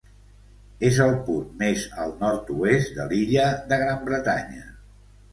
És el punt més al nord-oest de l'illa de Gran Bretanya.